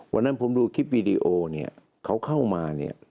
วันนั้นผมดูคลิปวีดีโอเขาเข้ามา